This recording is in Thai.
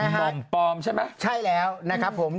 หม่อมปลอมใช่ไหมใช่แล้วนะครับผม